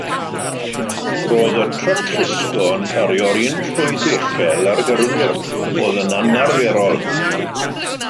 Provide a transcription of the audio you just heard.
Roedd y tryc llusgo yn cario'r un llwyth echel â'r gyrwyr, oedd yn anarferol.